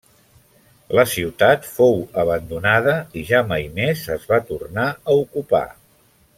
La ciutat fou abandonada i ja mai més es va tornar a ocupar.